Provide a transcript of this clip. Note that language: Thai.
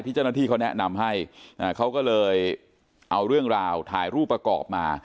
เจ้าหน้าที่เขาแนะนำให้เขาก็เลยเอาเรื่องราวถ่ายรูปประกอบมา